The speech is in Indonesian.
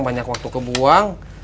banyak waktu terburuang